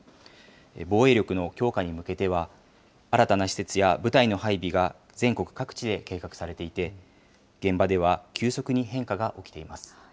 防衛力の強化に向けては、新たな施設や部隊の配備が全国各地で計画されていて、現場では、急速に変化が起きています。